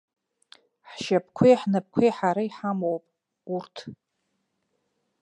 Ҳшьапқәеи ҳнапқәеи ҳара иҳамоуп, урҭ.